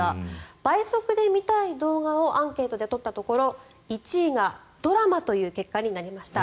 倍速で見たい動画をアンケートで取ったところ１位がドラマという結果になりました。